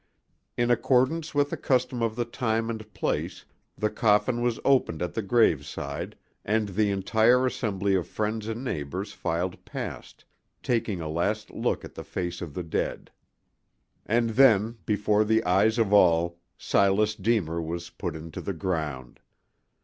In accordance with a custom of the time and place, the coffin was opened at the graveside and the entire assembly of friends and neighbors filed past, taking a last look at the face of the dead. And then, before the eyes of all, Silas Deemer was put into the ground.